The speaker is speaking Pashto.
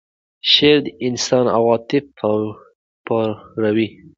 شعر د انسان عواطف پاروي.